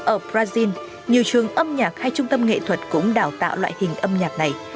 ở brazil nhiều trường âm nhạc hay trung tâm nghệ thuật cũng đào tạo loại hình âm nhạc này